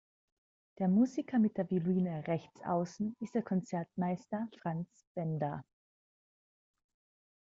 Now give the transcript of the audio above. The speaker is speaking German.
Der Musiker mit der Violine rechts außen ist der Konzertmeister Franz Benda.